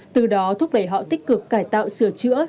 từ đó thúc đẩy họ tích cực cải tạo sửa chữa